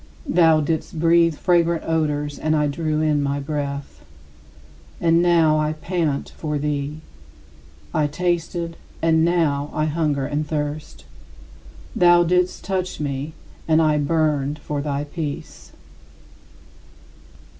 Thou didst breathe fragrant odors and I drew in my breath; and now I pant for thee. I tasted, and now I hunger and thirst. Thou didst touch me, and I burned for thy peace.